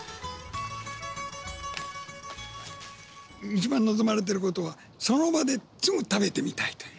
一番望まれてることはその場ですぐ食べてみたいという。